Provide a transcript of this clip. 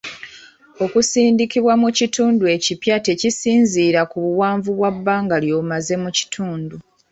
Okusindikibwa mu kitundu ekipya tekisinziira ku buwanvu bwa bbanga ly'omaze mu kitundu.